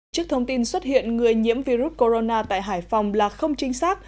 trước thông tin xuất hiện người nhiễm virus corona tại hải phòng là không chính xác